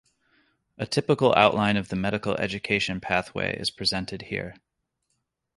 A typical outline of the medical education pathway is presented here.